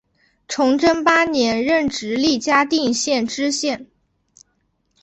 崇祯八年任直隶嘉定县知县。